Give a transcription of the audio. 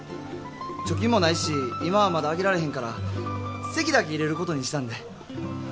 貯金もないし今はまだ挙げられへんから籍だけ入れることにしたんで。